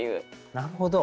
なるほど。